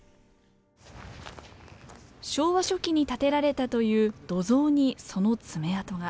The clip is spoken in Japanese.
昭和初期に建てられたという土蔵にその爪痕が。